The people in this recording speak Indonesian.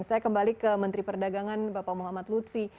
saya kembali ke menteri perdagangan bapak muhammad lutfi